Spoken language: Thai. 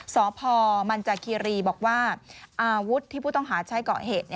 สพมันจากคีรีบอกว่าอาวุธที่ผู้ต้องหาใช้เกาะเหตุ